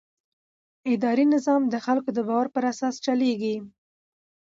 اداري نظام د خلکو د باور پر اساس چلېږي.